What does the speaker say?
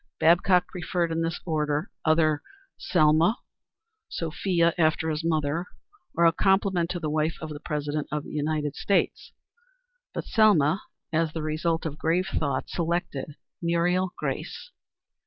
Babcock preferred in this order another Selma, Sophia, after his mother, or a compliment to the wife of the President of the United States. But Selma, as the result of grave thought, selected Muriel Grace.